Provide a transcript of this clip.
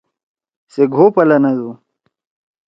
سے گھو پلَنَدُو۔